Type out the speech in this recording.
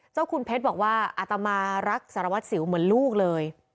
เจ้าคุณเพชรบอกว่าอาตมารักสารวัตรสิวเหมือนลูกเลย